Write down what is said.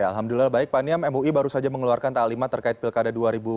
alhamdulillah baik pak niam mui baru saja mengeluarkan taklimat terkait pilkada dua ribu dua puluh